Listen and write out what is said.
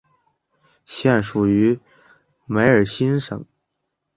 现属于梅尔辛省。